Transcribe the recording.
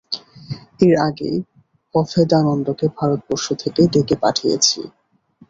এর আগেই অভেদানন্দকে ভারতবর্ষ থেকে ডেকে পাঠিয়েছি।